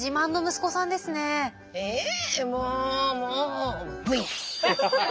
ええもうもうＶ！